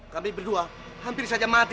kami berdua hampir saja mati